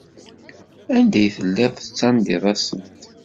Anda ay telliḍ tettandiḍ-asent?